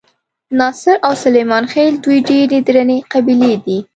ناصر او سلیمان خېل دوې ډېرې درنې قبیلې دي.